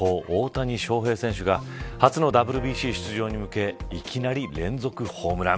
大谷翔平選手が初のＷＢＣ出場に向けいきなり連続ホームラン。